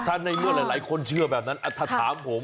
ถ้าในเมื่อหลายคนเชื่อแบบนั้นถ้าถามผม